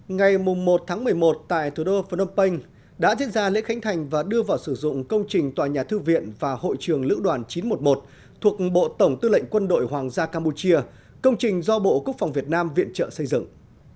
ngày một một mươi một tại thủ đô phnom penh đã diễn ra lễ khánh thành và đưa vào sử dụng công trình tòa nhà thư viện và hội trường lữ đoàn chín trăm một mươi một thuộc bộ tổng tư lệnh quân đội hoàng gia campuchia công trình do bộ quốc phòng việt nam viện trợ xây dựng